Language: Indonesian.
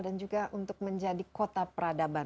dan juga untuk menjadi kota peradaban